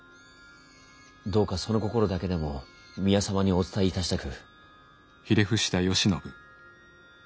どうかその心だけでも宮様にお伝えいたしたく。